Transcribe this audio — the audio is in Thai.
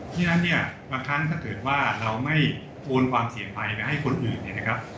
ฉะนั้นเนี่ยบางครั้งถ้าเกิดว่าเราไม่โอนความเสี่ยงภัยไปให้คนอื่นเนี่ยนะครับ